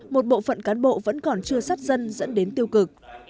một bộ phận cán bộ vẫn còn chưa sát dân dẫn đến tiêu cực